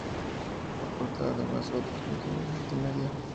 Aporta, además, otros contenidos multimedia.